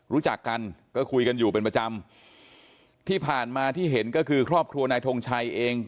รู้จักกันก็คุยกันอยู่เป็นประจำที่ผ่านมาที่เห็นก็คือครอบครัวนายทงชัยเอง